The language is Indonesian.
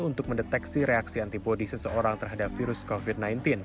untuk mendeteksi reaksi antibody seseorang terhadap virus covid sembilan belas